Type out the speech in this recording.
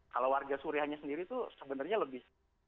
kalau warga surianya sendiri itu sebenarnya lebih